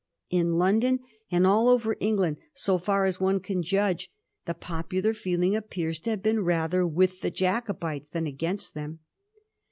In London, and all over England, so fer as one can judge, the popular feeling appears to have been rather with the Jacobites than against them.